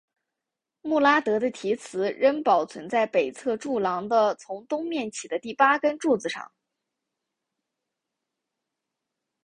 穆拉德的题词仍保存在北侧柱廊的从东面起的第八根柱子上。